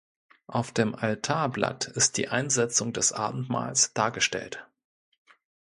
Auf dem Altarblatt ist die Einsetzung des Abendmahls dargestellt.